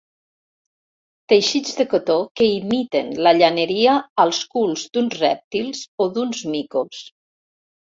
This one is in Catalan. Teixits de cotó que imiten la llaneria als culs d'uns rèptils o d'uns micos.